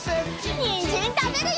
にんじんたべるよ！